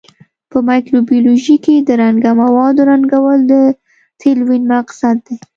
په مایکروبیولوژي کې د رنګه موادو رنګول د تلوین مقصد دی.